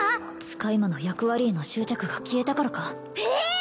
使い魔の役割への執着が消えたからかええ！？